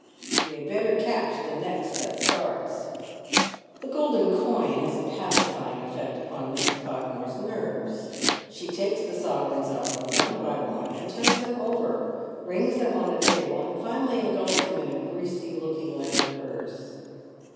We had better catch the next that starts." The golden coin has a pacifying effect upon Mrs. Podmore's nerves. She takes the sovereigns up one by one, and turns them over, rings them on the table, and finally engulfs them in a greasy looking leather purse.